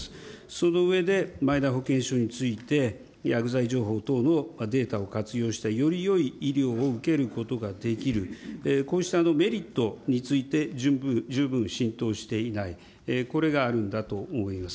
その上でマイナ保険証について、薬剤情報等のデータを活用したよりよい医療を受けることができる、こうしたメリットについて十分浸透していない、これがあるんだと思います。